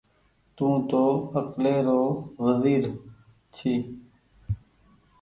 تونٚ تو اڪلي رو وزير جي